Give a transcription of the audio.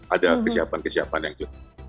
ada kesiapan kesiapan yang cukup